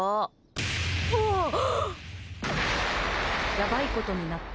やばいことになった。